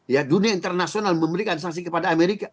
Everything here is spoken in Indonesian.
ya dunia internasional memberikan sanksi kepada amerika